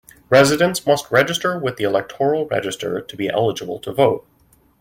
Residents must register with the electoral register to be eligible to vote.